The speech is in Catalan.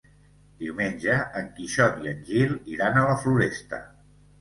Diumenge en Quixot i en Gil iran a la Floresta.